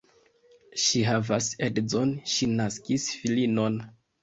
Ŝi havas edzon, ŝi naskis filinon.